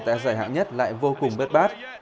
tại giải hạng nhất lại vô cùng bết bát